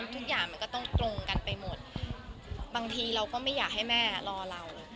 ทุกอย่างมันก็ต้องตรงกันไปหมดบางทีเราก็ไม่อยากให้แม่รอเรา